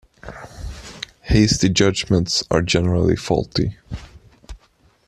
Hasty judgements are generally faulty.